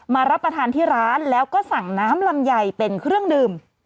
รับประทานที่ร้านแล้วก็สั่งน้ำลำไยเป็นเครื่องดื่ม